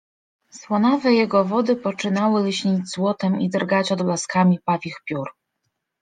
Słonawe jego wody poczynały lśnić złotem i drgać odblaskami pawich piór.